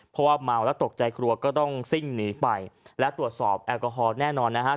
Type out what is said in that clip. เพราะว่าเมาแล้วตกใจกลัวก็ต้องซิ่งหนีไปและตรวจสอบแอลกอฮอลแน่นอนนะครับ